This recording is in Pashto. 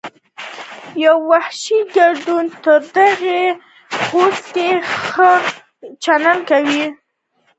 یو وحشي ګرګدن تر دې خوسکي ښه و چې ناچار قفس کې ژوند کوي.